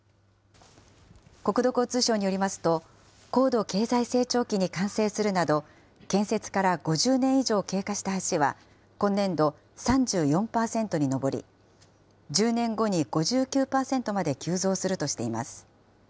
国土交通省によりますと、高度経済成長期に完成するなど、建設から５０年以上経過した橋は、今年度、３４％に上り、１０年後に５９％まで急増するとしています。